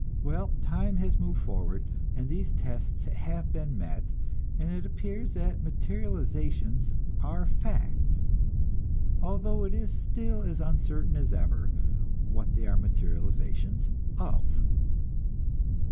Well, time has moved forward, and these tests have been met, and it appears that "materializations" are facts although it is still as uncertain as ever what they are materializations of.